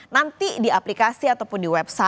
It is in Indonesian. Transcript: nanti di aplikasi ataupun di website